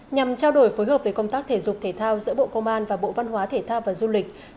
nhằm trao đổi phối hợp về công tác thể dục thể thao giữa bộ công an và bộ văn hóa thể thao và du lịch